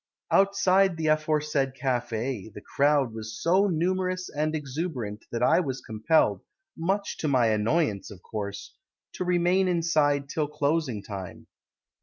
Outside the aforesaid cafe, The crowd Was so numerous And exuberant That I was compelled (Much to my annoyance, of course) To remain inside Till closing time.